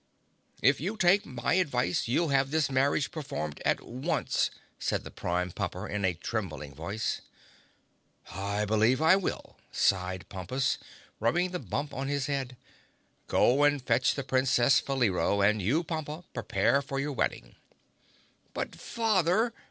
"If you take my advice you'll have this marriage performed at once," said the Prime Pumper in a trembling voice. "I believe I will!" sighed Pompus, rubbing the bump on his head. "Go and fetch the Princess Faleero and you, Pompa, prepare for your wedding." "But Father!"